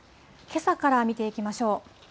けさから見ていきましょう。